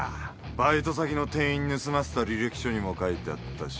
バイト先の店員に盗ませた履歴書にも書いてあったし。